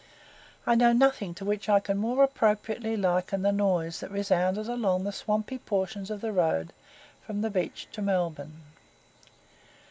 I know nothing to which I can more appropriately liken the noise that resounded along the swampy portions of the road, from the beach to Melbourne.